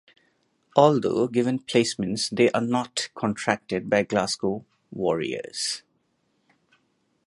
Although given placements they are not contracted by Glasgow Warriors.